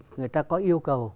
người ta có yêu cầu